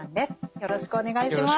よろしくお願いします。